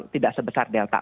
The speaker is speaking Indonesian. tidak sebesar delta